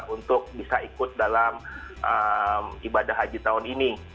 untuk bisa ikut dalam ibadah haji tahun ini